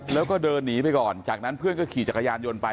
แล้วก็เดินหนีไปก่อนจากนั้นเพื่อนก็ขี่จักรยานยนต์ไป